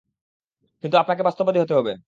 কিন্তু আপনাকে বাস্তববাদী হতে হবে।